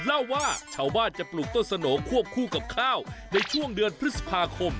เล่าว่าชาวบ้านจะปลูกต้นสนงควบคู่กับข้าวในช่วงเดือนพฤษภาคม